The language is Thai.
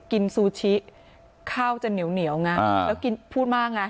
กินซูชิข้าวจะเหนียวเหนียวไงแล้วกินพูดมากไง